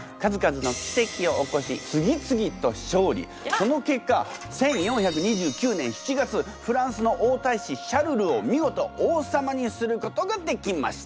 その結果１４２９年７月フランスの王太子シャルルを見事王様にすることができました。